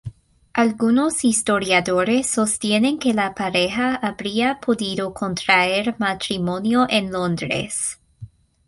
Algunos historiadores sostienen que la pareja habría podido contraer matrimonio en Londres.